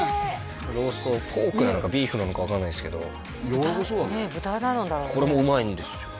ローストポークなのかビーフなのか分かんないですけどやわらかそうだねねえ豚なんだろうねこれもうまいんですよ